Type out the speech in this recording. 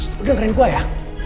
lu dengerin gua ya